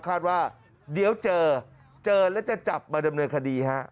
คาดว่าเดี๋ยวเจอเจอแล้วจะจับมาดำเนินคดีฮะ